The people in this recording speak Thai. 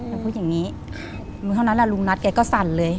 อย่าพูดอย่างงี้ครับลุงเท่านั้นแหละลุงนัดแกก็สั่นเลย